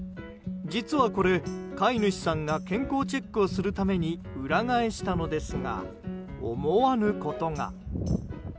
実はこれ、飼い主さんが健康チェックをするために裏返したのですが思わぬことが。